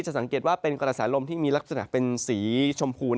สังเกตว่าเป็นกระแสลมที่มีลักษณะเป็นสีชมพู